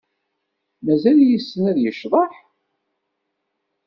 Mazal yessen ad yecḍeḥ?